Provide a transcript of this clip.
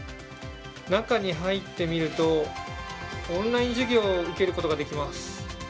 中に入ってみると、オンライン授業を受けることができます。